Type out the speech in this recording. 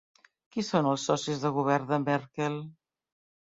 Qui són els socis de govern de Merkel?